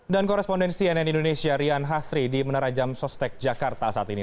korespondensi nn indonesia rian hasri di menara jam sostek jakarta saat ini